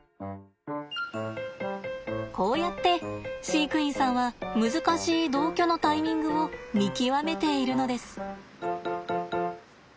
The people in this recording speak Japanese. こうやって飼育員さんは難しい同居のタイミングを見極めているのです。